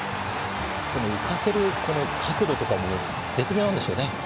浮かせる角度とかも絶妙なんでしょうね。